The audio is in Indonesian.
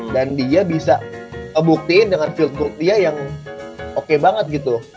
dan dia bisa kebuktiin dengan field field dia yang oke banget gitu